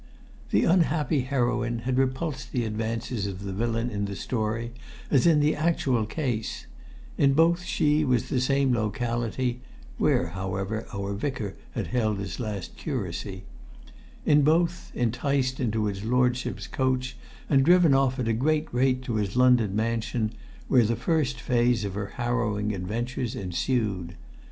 The unhappy heroine had repulsed the advances of the villain in the story as in the actual case; in both she was from the same locality (where, however, our Vicar had held his last curacy); in both, enticed into his lordship's coach and driven off at a great rate to his London mansion, where the first phase of her harrowing adventures ensued.